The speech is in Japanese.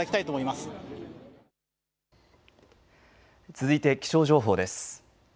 続いて気象情報です。